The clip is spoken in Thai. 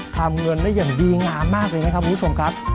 ทำเงินได้อย่างดีงามมากเลยนะครับคุณผู้ชมครับ